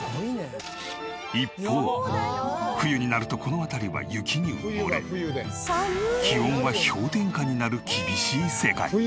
一方冬になるとこの辺りは雪に埋もれ気温は氷点下になる厳しい世界。